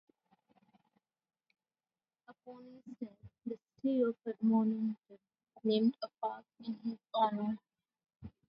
Upon his death, the city of Edmonton named a park in his honour.